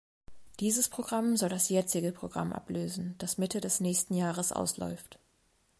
Dieses Programm soll das jetzige Programm ablösen, das Mitte des nächsten Jahres ausläuft.